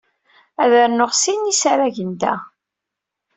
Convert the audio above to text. Ad rnuɣ sin n yisragen da.